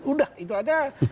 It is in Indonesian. udah itu aja